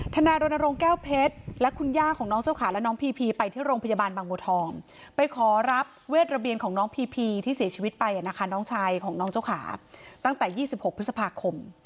นายรณรงค์แก้วเพชรและคุณย่าของน้องเจ้าขาและน้องพีพีไปที่โรงพยาบาลบางบัวทองไปขอรับเวทระเบียนของน้องพีพีที่เสียชีวิตไปนะคะน้องชายของน้องเจ้าขาตั้งแต่๒๖พฤษภาคม